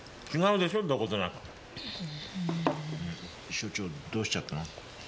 所長どうしちゃったの？